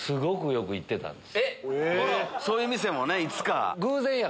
そういう店もねいつか。